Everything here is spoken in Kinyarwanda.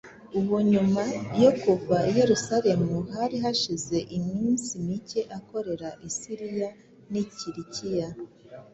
uwo nyuma yo kuva i Yerusalemu hari hashize iminsi mike akorera i Siriya n’i Kilikiya,